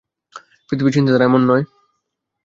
পৃথিবীর চিন্তাধারা এমন নয়।